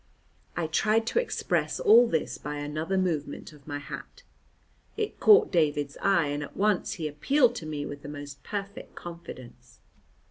I tried to express all this by another movement of my hat. It caught David's eye and at once he appealed to me with the most perfect confidence.